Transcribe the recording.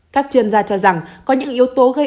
các chuyên gia cho rằng có những yếu tố gây